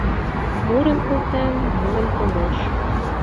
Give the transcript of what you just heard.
Мурен колтем — мурем кодеш